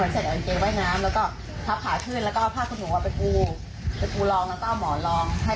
จะมีแบบเหมือนลักษณะแบบเขาโดนเข้าถึงลักษณะเป็นคล้ายกับด้านนี้